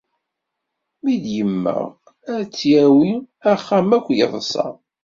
Mi d-yemmeɣ ad tt-yawi, axxam akk yeḍsa.